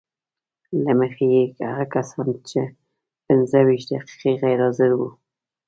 له مخې یې هغه کسان چې پنځه ویشت دقیقې غیر حاضر وو